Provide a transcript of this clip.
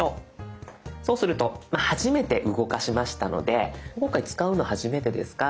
そうすると初めて動かしましたので今回使うの初めてですか。